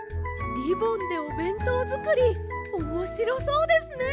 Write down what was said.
リボンでおべんとうづくりおもしろそうですね！